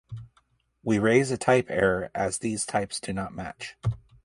we raise a type error as these types do not match